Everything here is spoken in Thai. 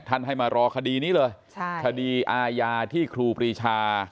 ให้มารอคดีนี้เลยคดีอาญาที่ครูปรีชา